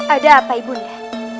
ada apa ibu nda